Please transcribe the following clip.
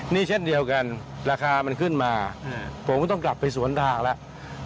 นี่เช่นเดียวกันราคามันขึ้นมาผมก็ต้องกลับไปสวนทางแล้ว